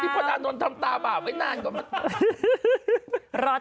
ปีใหม่จะมีเล่นหนังด้วย